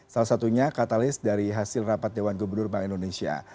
salah satunya katalis dari hasil rapat dewan gubernur bank indonesia